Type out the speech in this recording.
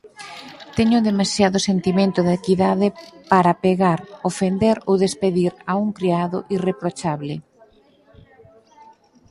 Teño demasiado sentimento da equidade para pegar, ofender ou despedir a un criado irreprochable.